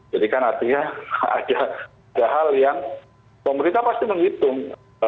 jadi kan artinya ada hal yang pemerintah pasti menghitung